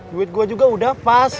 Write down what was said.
duit gue juga udah pas